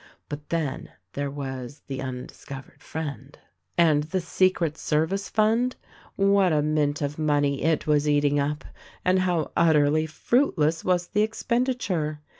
But then, there was the undiscovered friend ! And the secret service fund ! What a mint of money it was eating up, and how utterly fruitless was the expenditure.